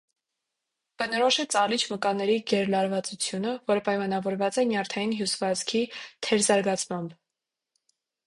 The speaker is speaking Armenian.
Բնորոշ է ծալիչ մկանների գերլարվածությունը, որը պայմանավորված է նյարդային հյուսվածքի թերզարգացմամբ։